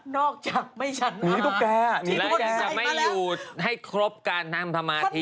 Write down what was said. นอกจากไม่ฉันน้ำที่คนใส่มาแล้วแล้วจะไม่อยู่ให้ครบการทางธรรมาณที่